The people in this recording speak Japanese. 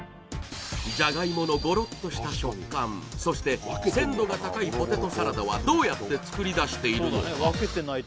ジャガイモのゴロッとした食感そして鮮度が高いポテトサラダはどうやって作りだしているのか？